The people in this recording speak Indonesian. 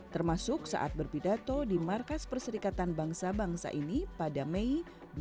termasuk saat berpidato di markas perserikatan bangsa bangsa ini pada mei dua ribu dua puluh